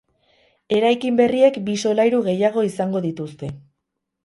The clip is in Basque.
Eraikin berriek bi solairu gehiago izango dituzte.